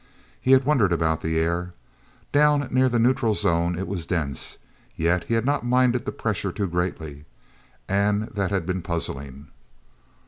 He had wondered about the air. Down near the neutral zone it was dense, yet he had not minded the pressure too greatly—and that had been puzzling.